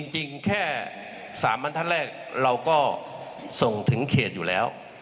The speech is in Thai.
จริงแค่๓บรรทัศนแรกเราก็ส่งถึงเขตอยู่แล้ว